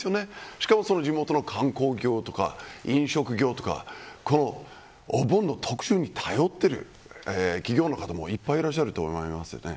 しかも地元の観光業とか飲食業とかお盆の特需に頼っている企業の方もいらっしゃると思います。